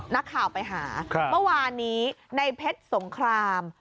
นักข่าวไปหาเมื่อวานนี้ในเพชรสงคราม